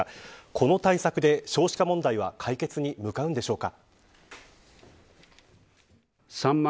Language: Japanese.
この対策で少子化問題は解決に向かうのでしょうか。